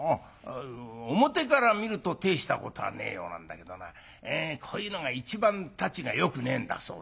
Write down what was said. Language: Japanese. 「外から見ると大したことはねえようなんだけどなこういうのが一番たちがよくねえんだそうだ」。